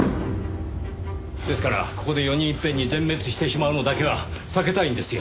ですからここで４人いっぺんに全滅してしまうのだけは避けたいんですよ。